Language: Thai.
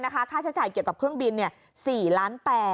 ค่าใช้จ่ายเกี่ยวกับเครื่องบิน๔๘๐๐